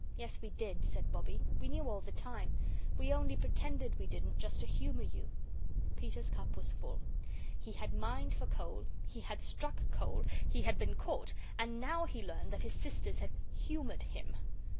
"Yes, we did," said Bobbie. "We knew all the time. We only pretended we didn't just to humour you." Peter's cup was full. He had mined for coal, he had struck coal, he had been caught, and now he learned that his sisters had 'humoured' him.